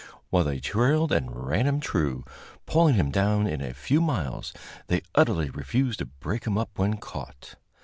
While they trailed and ran him true, pulling him down in a few miles, they utterly refused to break him up when caught.